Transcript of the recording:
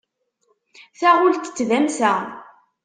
Taɣult n tdamsa.